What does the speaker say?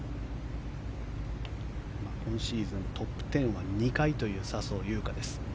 今シーズン、トップ１０は２回という笹生優花です。